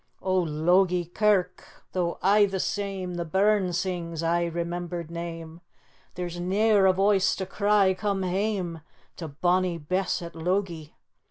"O Logie Kirk, tho' aye the same, The burn sings ae remembered name, There's ne'er a voice to cry 'Come hame To bonnie Bess at Logie!'